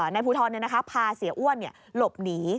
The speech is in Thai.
นายภูทรพาเสียอ้วนหลบหนี